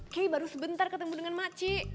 kay baru sebentar ketemu dengan makcik